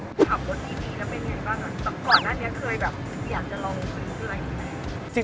ตอนก่อนหน้านี้เคยอยากจะลองคุยกับอะไรอย่างนี้แหละ